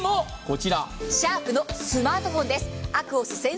シャープのスマートフォンです。